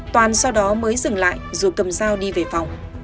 toàn sau đó mới dừng lại rồi cầm dao đi về phòng